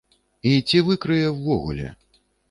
І ці выкрые, увогуле?